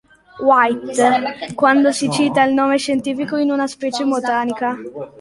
White quando si cita il nome scientifico di una specie botanica.